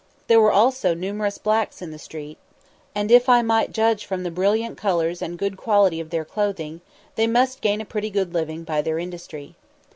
There were also numerous blacks in the streets, and, if I might judge from the brilliant colours and good quality of their clothing, they must gain a pretty good living by their industry.